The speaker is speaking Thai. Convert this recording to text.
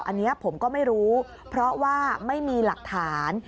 อันนี้ผมก็ไม่รู้เพราะว่าไม่มีหลักฐาน